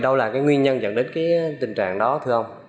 đâu là nguyên nhân dẫn đến tình trạng đó thưa ông